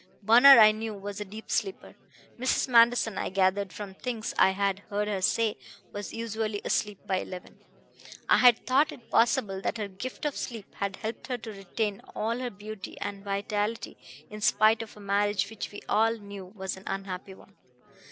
Bunner, I knew, was a deep sleeper. Mrs. Manderson, I had gathered from things I had heard her say, was usually asleep by eleven; I had thought it possible that her gift of sleep had helped her to retain all her beauty and vitality in spite of a marriage which we all knew was an unhappy one.